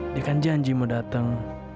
dia kan janji mau datang